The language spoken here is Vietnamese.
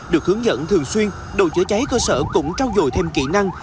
được hướng dẫn thường xuyên đội chữa cháy cơ sở cũng trao dồi thêm kỹ năng